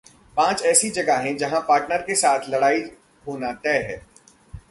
पांच ऐसी जगहें जहां पार्टनर के साथ लड़ाई होना तय है